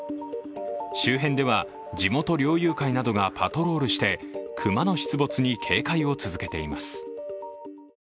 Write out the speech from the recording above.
周辺では地元猟友会などがパトロールして熊の出没に警戒を続けています。